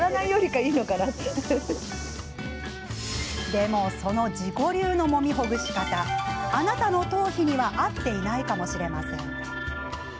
でも、その自己流のもみほぐし方あなたの頭皮には合っていないかもしれません。